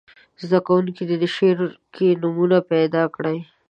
زده کوونکي دې په شعر کې نومونه پیداکړي.